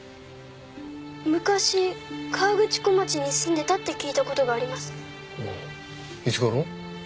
昔河口湖町に住んでたって聞いたことがありますいつごろ？